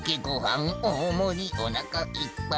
おおもりおなかいっぱい。